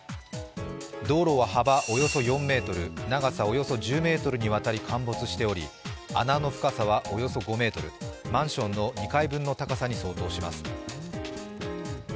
道路の幅およそ４ｍ長さおよそ１０ｍに渡って陥没しており穴の深さはおよそ５ｍ、マンションの２階分の高さに相当します。